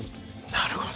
なるほど。